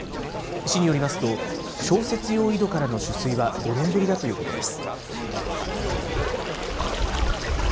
市によりますと、消雪用井戸からの取水は５年ぶりだということです。